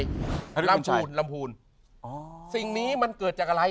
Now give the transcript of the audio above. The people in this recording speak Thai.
พระท่านฤทธิ์พุทธชัยลำภูนิลำภูนิอ๋อสิ่งนี้มันเกิดจากอะไร